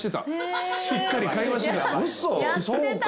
しっかり会話してた。